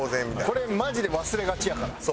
これマジで忘れがちやから。